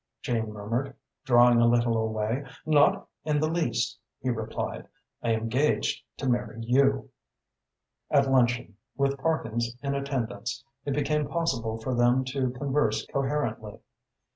Jane murmured, drawing a little away. "Not in the least," he replied. "I am engaged to marry you." At luncheon, with Parkins in attendance, it became possible for them to converse coherently.